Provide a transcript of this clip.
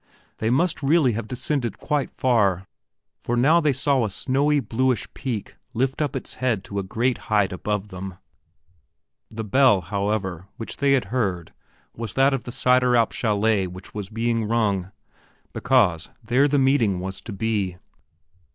They must really have descended quite far; for now they saw a snowy bluish peak lift up its head to a great height above them. The bell, however, which they had heard was that of the Sideralp chalet which was being rung, because there the meeting was to be.